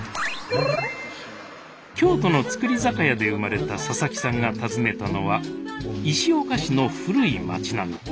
京都の造り酒屋で生まれた佐々木さんが訪ねたのは石岡市の古い町並み。